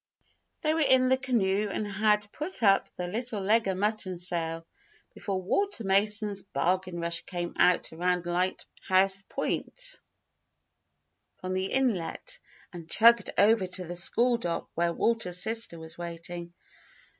They were in the canoe and had put up the little leg o' mutton sail, before Walter Mason's Bargain Rush came out around Lighthouse Point, from the inlet, and chugged over to the school dock where Walter's sister was waiting.